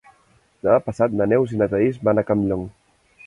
Demà passat na Neus i na Thaís van a Campllong.